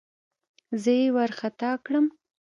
زه يې وارخطا کړم.